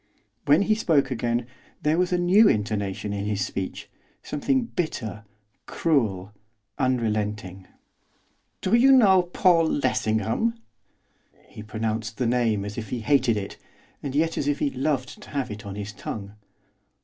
When he spoke again there was a new intonation in his speech, something bitter, cruel, unrelenting. 'Do you know Paul Lessingham?' He pronounced the name as if he hated it, and yet as if he loved to have it on his tongue.